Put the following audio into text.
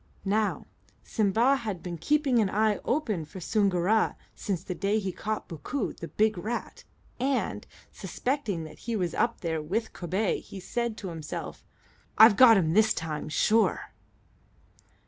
Now, Simba had been keeping an eye open for Soongoora since the day he caught Bookoo, the big rat, and, suspecting that he was up there with Kobay, he said to himself, "I've got him this time, sure."